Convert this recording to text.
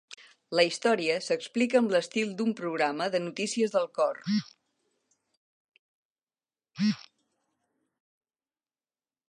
La història s'explica amb l'estil de un programa de notícies del cor.